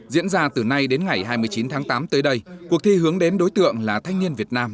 diễn ra từ nay đến ngày hai mươi chín tháng tám tới đây cuộc thi hướng đến đối tượng là thanh niên việt nam